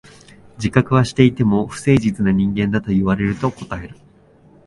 自覚はしていても、不誠実な人間だと言われると応える。